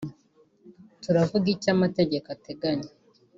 turavuga icyo amategeko ateganya”